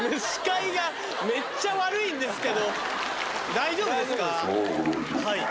大丈夫ですか？